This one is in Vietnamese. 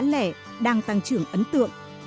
nhưng thị trường bán lẻ đang tăng trưởng ấn tượng